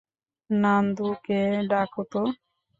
নান্দুকে ডাকো তো!